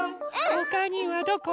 ほかにはどこ？